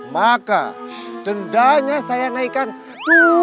maka dendanya saya naikkan dua ratus ribu